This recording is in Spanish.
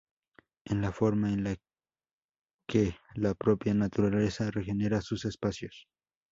en la forma en la que la propia naturaleza regenera sus espacios.